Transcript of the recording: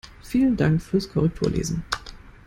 Vielen Dank fürs Korrekturlesen!